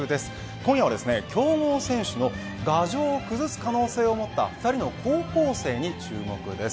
今夜は強豪選手の牙城を崩す可能性を持った２人の高校生に注目です。